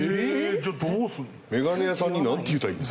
じゃあどうするの？